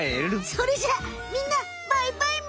それじゃみんなバイバイむ！